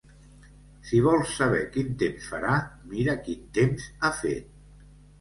Si vols saber quin temps farà, mira quin temps ha fet.